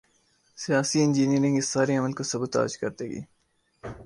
'سیاسی انجینئرنگ‘ اس سارے عمل کو سبوتاژ کر دے گی۔